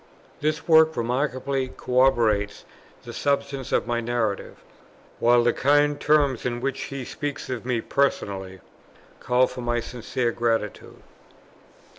This work remarkably corroborates the substance of my Narrative, while the kind terms in which he speaks of me personally, call for my sincere gratitude.